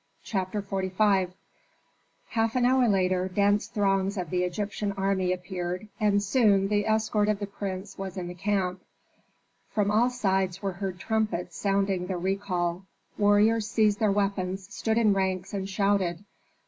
CHAPTER XLV Half an hour later dense throngs of the Egyptian army appeared and soon the escort of the prince was in the camp. From all sides were heard trumpets sounding the recall. Warriors seized their weapons, stood in ranks and shouted.